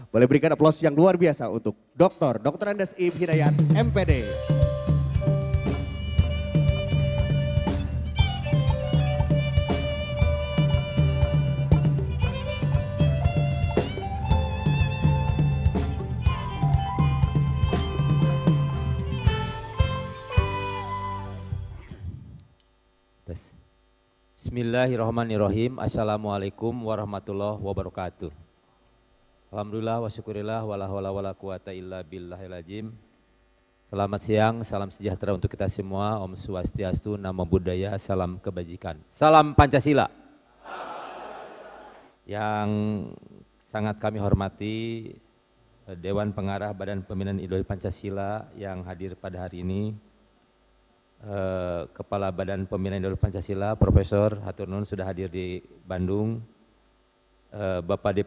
boleh berikan aplaus yang luar biasa untuk dr dr andes i hidayat mpd